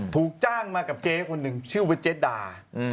ถูกจ้างมากับเจ๊คนหนึ่งชื่อว่าเจ๊ดา